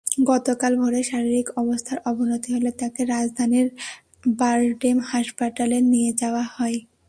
গতকাল ভোরে শারীরিক অবস্থার অবনতি হলে তাঁকে রাজধানীর বারডেম হাসপাতালে নিয়ে যাওয়া হয়।